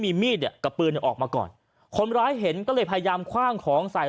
มีมีดเนี่ยกับปืนเนี่ยออกมาก่อนคนร้ายเห็นก็เลยพยายามคว่างของใส่